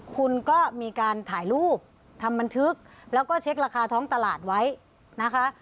คุณก็มีการถ่ายรูปทำบันทึกแล้วก็เช็คราคาท้องตลาดไว้นะคะ